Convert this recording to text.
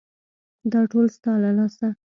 _دا ټول ستا له لاسه.